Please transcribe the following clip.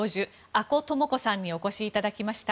阿古智子さんにお越しいただきました。